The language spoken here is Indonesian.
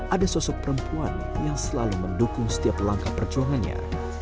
ada sosok perempuan yang selalu mendukung setiap langkah perjuangannya